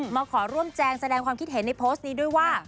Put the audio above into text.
มาขอร่วมแจงแสดงความคิดเห็นในโพสต์นี้ด้วยว่า